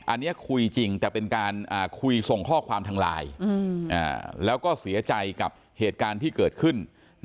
อันนี้คุยจริงแต่เป็นการคุยส่งข้อความทางไลน์แล้วก็เสียใจกับเหตุการณ์ที่เกิดขึ้น